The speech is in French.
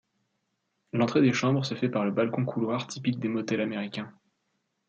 L'entrée des chambres se fait par le balcon-couloir typique des motels américains.